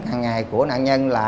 hằng ngày của nạn nhân